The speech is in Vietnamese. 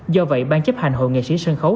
do vậy ban chấp hành hội nghệ sĩ sân khấu